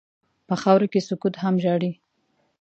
په خاوره کې سکوت هم ژاړي.